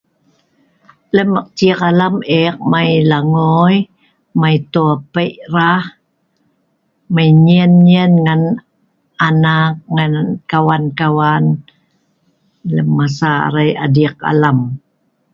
lem eek cik alam eek mai langoi, mai toua pei' rah, mai nyein nyein ngan anak kawan kawan lem masa arai adiik' alam